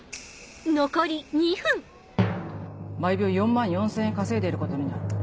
毎秒４万４０００円稼いでることになる